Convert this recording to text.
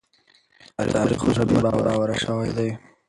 تاريخ اوس دومره بې باوره شوی دی.